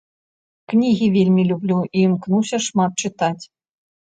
Кнігі вельмі люблю і імкнуся шмат чытаць.